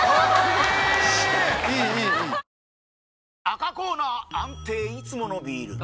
赤コーナー安定いつものビール！